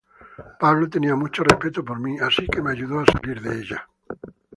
Pablo tenía mucho respeto por mí, así que me ayudó a salir de ella.